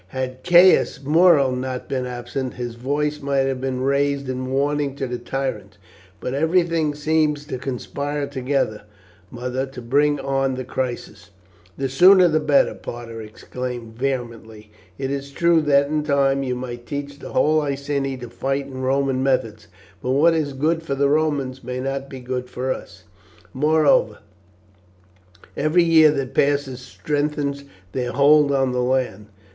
Had Caius Muro not been absent his voice might have been raised in warning to the tyrant; but everything seems to conspire together, mother, to bring on the crisis." "The sooner the better," Parta exclaimed vehemently. "It is true that in time you might teach the whole Iceni to fight in Roman methods, but what is good for the Romans may not be good for us. Moreover, every year that passes strengthens their hold on the land.